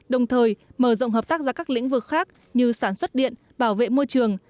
đồng thời mở rộng hợp tác ra các lĩnh vực khác như sản xuất điện bảo vệ môi trường